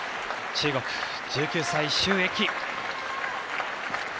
中国、１９歳、朱易。